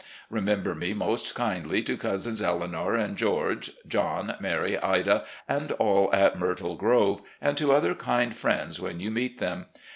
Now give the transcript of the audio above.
Remember me most kindly to Cousins Eleanor and George, John, Mary, Ida, and all at ' Myrtle Grove,' and to other kind friends when you meet them.